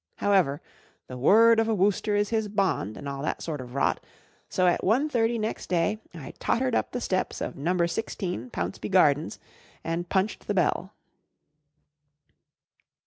However, the word of a Wooster is his bond and all that sort of rat, so at one thirty next day I tottered up the steps of No* i6 t Pouncebv Gardens, and punched the bell.